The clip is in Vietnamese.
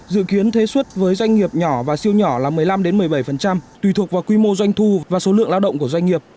dự kiến thuế xuất với doanh nghiệp nhỏ và siêu nhỏ là một mươi năm một mươi bảy tùy thuộc vào quy mô doanh thu và số lượng lao động của doanh nghiệp